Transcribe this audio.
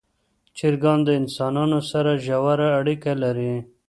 چرګان د انسانانو سره ژوره اړیکه لري.